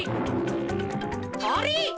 あれ？